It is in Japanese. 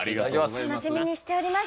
楽しみにしております。